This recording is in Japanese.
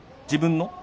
自分の？